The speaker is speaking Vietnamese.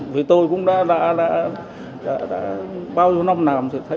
vì tôi cũng đã bao nhiêu năm nào cũng thấy